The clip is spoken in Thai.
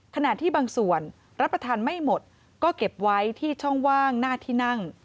ขณะที่บางส่วนรับประทานไม่หมดก็เก็บไว้ที่ช่องว่างหน้าที่นั่ง